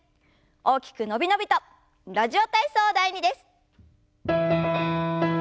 大きく伸び伸びと「ラジオ体操第２」です。